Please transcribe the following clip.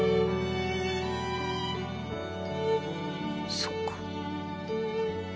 そっか。